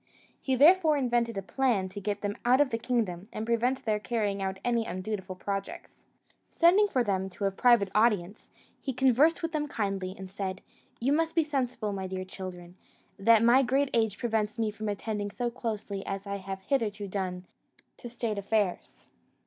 He therefore invented a plan to get them out of the kingdom, and prevent their carrying out any undutiful projects. Sending for them to a private audience, he conversed with them kindly, and said: "You must be sensible, my dear children, that my great age prevents me from attending so closely as I have hitherto done to state affairs.